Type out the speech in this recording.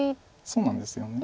そうなんですよね。